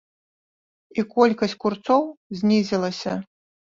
І колькасць курцоў знізілася.